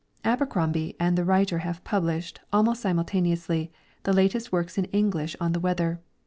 Abercrombie and the writer have published, almost simul taneously, the latest works in English on the weather.